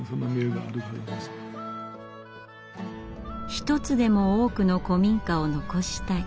一つでも多くの古民家を残したい。